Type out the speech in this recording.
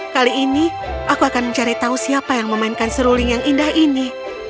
kali ini aku akan mencari tahu siapa yang memainkan seruling yang indah ini